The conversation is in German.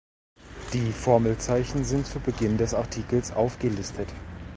Die Formelzeichen sind zu Beginn des Artikels aufgelistet.